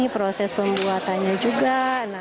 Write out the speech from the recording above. proses pembuatannya juga